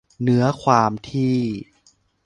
เนื้อความที่